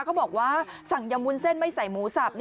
เขาบอกว่าสั่งยำวุ้นเส้นไม่ใส่หมูสับ